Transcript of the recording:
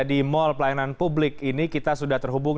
di mall pelayanan publik ini kita sudah terhubung